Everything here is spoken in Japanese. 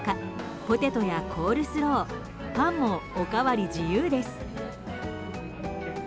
ポテトやコールスローパンもおかわり自由です。